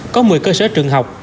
có một mươi cơ sở trường học